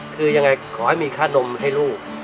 คือยังไงขอให้มีค่านมให้ลูก